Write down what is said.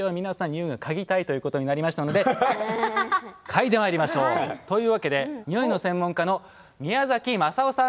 ニオイをかぎたいということになりましたのでかいでまいりましょう。というわけでニオイの専門家の宮崎雅雄さんです。